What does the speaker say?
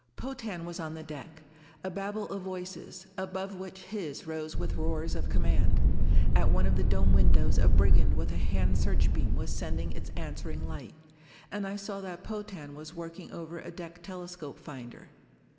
Potan was on the deck a babble of voices, above which his rose with roars of command. At one of the dome windows a brigand with a hand searchbeam was sending its answering light. And I saw that Potan was working over a deck telescope finder.